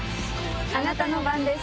あなたの番です。